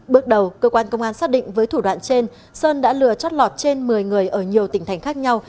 bước đầu cơ quan công an xác định với thủ đoạn trên sơn đã lừa chót lọt trên một mươi người ở nhiều tỉnh thành khác nhau